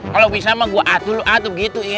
kalo bisa mah gue atu lu atu gitu im